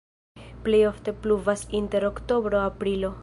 Plej ofte pluvas inter oktobro-aprilo.